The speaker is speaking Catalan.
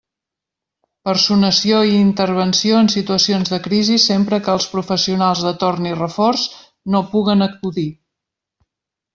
Personació i intervenció en situacions de crisi sempre que els professionals de torn i reforç no puguen acudir.